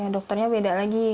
dokternya beda lagi